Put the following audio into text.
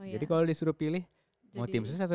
jadi kalau disuruh pilih mau tim sesuatu